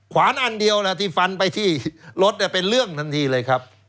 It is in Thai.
ขวานอันเดียวแหละที่ฟันไปที่รถเป็นเรื่องทันทีเลยครับ